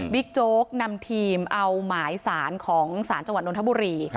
โจ๊กนำทีมเอาหมายสารของศาลจังหวัดนทบุรี